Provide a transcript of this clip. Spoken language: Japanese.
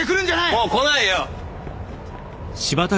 もう来ないよ！